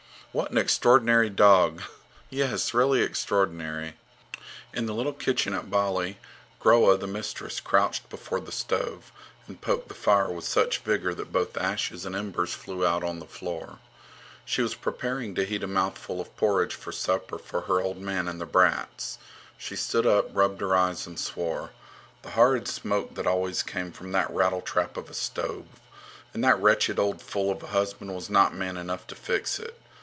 What an extraordinary dog! Yes, really extraordinary. In the little kitchen at Bali, Groa, the mistress, crouched before the stove and poked the fire with such vigour that both ashes and embers flew out on the floor. She was preparing to heat a mouthful of porridge for supper for her old man and the brats. She stood up, rubbed her eyes and swore. The horrid smoke that always came from that rattletrap of a stove! And that wretched old fool of a husband was not man enough to fix it!